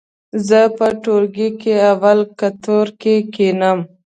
زه په ټولګي کې اول قطور کې کېنم.